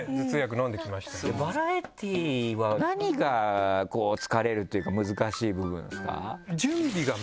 バラエティーは何が疲れるというか難しい部分ですか？